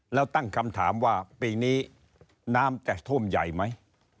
แล้วตั้งคำถามว่าปีนี้น้ำจะท่วมใหญ่ไหม